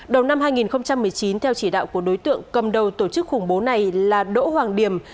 đầu năm hai nghìn một mươi chín theo chỉ đạo của đối tượng cầm đầu tổ chức khủng bố này là đỗ hoàng điểm